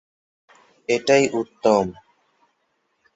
এটাই উত্তম।